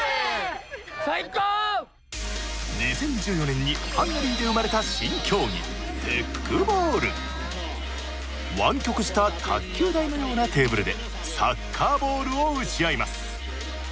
２０１４年にハンガリーで生まれた新競技湾曲した卓球台のようなテーブルでサッカーボールを打ち合います。